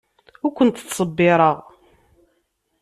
Ur kent-ttṣebbireɣ.